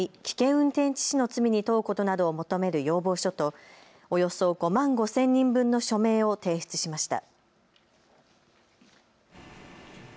運転致死の罪に問うことなどを求める要望書とおよそ５万５０００人分の署名を提出しました。